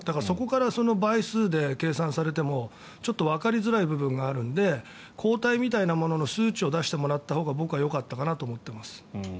そこから倍数で計算されてもちょっとわかりづらい部分があるので抗体みたいなものの数値を出してもらったほうが僕はよかったかなと思っています。